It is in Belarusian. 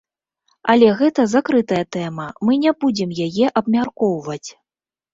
Але гэта закрытая тэма, мы не будзем яе абмяркоўваць.